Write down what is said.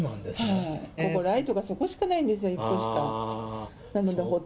ここ、ライトがそこしかないんですよ、１個しか。